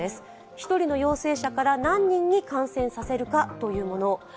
１人の陽性者から何人に感染させるかというもの。